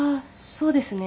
そうですね。